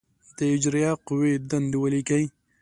د اجرائیه قوې دندې ولیکئ.